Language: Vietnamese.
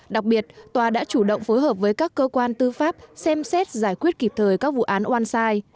đặc biệt tòa đã chủ động phối hợp với các cơ quan tư pháp xem xét giải quyết kịp thời các vụ án oan sai